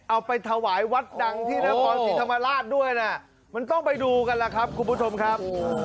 เอาไปถวายวัดดังที่นครศรีธรรมราชด้วยนะมันต้องไปดูกันล่ะครับคุณผู้ชมครับ